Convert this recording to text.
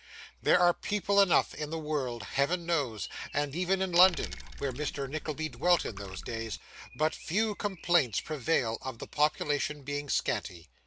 There are people enough in the world, Heaven knows! and even in London (where Mr. Nickleby dwelt in those days) but few complaints prevail, of the population being scanty.